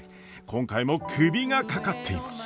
今回もクビがかかっています。